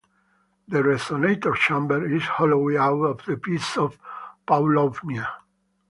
The resonator chamber is hollowed out of the piece of paulownia.